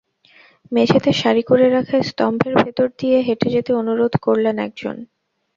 মেঝেতে সারি করে রাখা স্তম্ভের ভেতর দিয়ে হেঁটে যেতে অনুরোধ করলেন একজন।